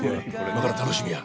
今から楽しみや。